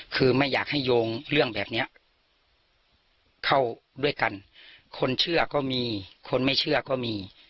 คือไม่อยากให้โยงเรื่องแบบเนี้ยเข้าด้วยกันคนเชื่อก็มีคนไม่เชื่อก็มี